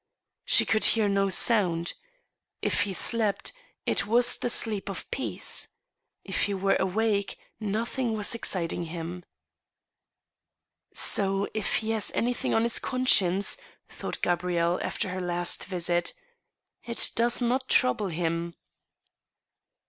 She could hear no sound. If he slept, it was the sleep of peace. If he were awake, nothing was ex citing him. " So, if he has anything on his conscience," thought Gabrielle, after her last visit, " it does not trouble him."